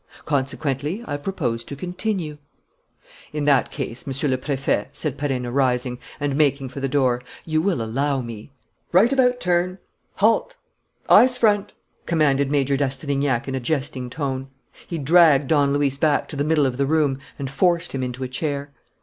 Consequently, I propose to continue ..." "In that case, Monsieur le Préfet," said Perenna, rising and making for the door, "you will allow me ..." "Right about turn! Halt! ... Eyes front!" commanded Major d'Astrignac in a jesting tone. He dragged Don Luis back to the middle of the room and forced him into a chair.